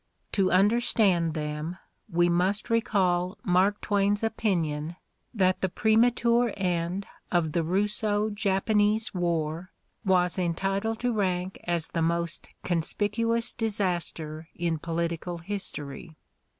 To understand them we must recall Mark Twain's opinion that the premature end of the Russo Japanese War was "entitled to rank as the most conspicuous disaster in political history."